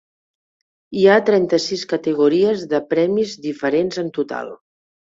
Hi ha trenta-sis categories de premis diferents en total.